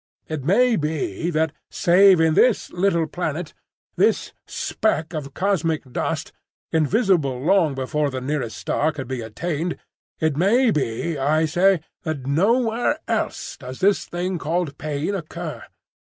It may be that save in this little planet, this speck of cosmic dust, invisible long before the nearest star could be attained—it may be, I say, that nowhere else does this thing called pain occur.